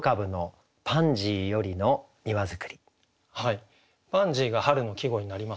「パンジー」が春の季語になりますね。